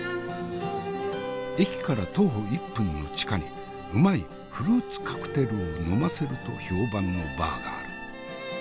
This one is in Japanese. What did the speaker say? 駅から徒歩１分の地下にうまいフルーツカクテルを呑ませると評判のバーがある。